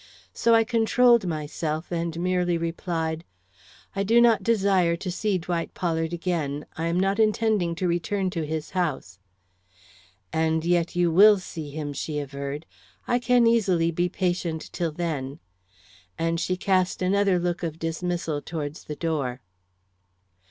So I controlled myself and merely replied: "I do not desire to see Dwight Pollard again. I am not intending to return to his house." "And yet you will see him," she averred. "I can easily be patient till then." And she cast another look of dismissal towards the door.